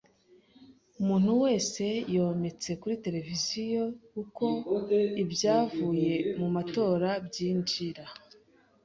Umuntu wese yometse kuri televiziyo uko ibyavuye mu matora byinjira.